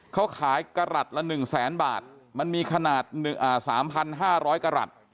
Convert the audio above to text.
เขาขายกระหลัดละ๑แสนบาทมันมีขนาด๓๕๐๐กรัฐ